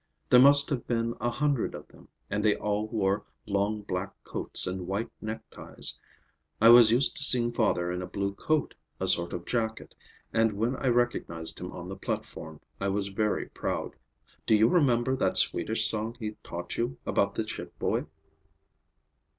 There must have been a hundred of them, and they all wore long black coats and white neckties. I was used to seeing father in a blue coat, a sort of jacket, and when I recognized him on the platform, I was very proud. Do you remember that Swedish song he taught you, about the ship boy?"